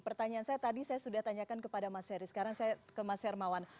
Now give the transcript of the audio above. pertanyaan saya tadi saya sudah tanyakan kepada mas heri sekarang saya ke mas hermawan